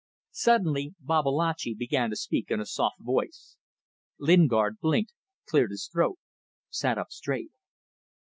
Suddenly Babalatchi began to speak in a soft voice. Lingard blinked, cleared his throat sat up straight.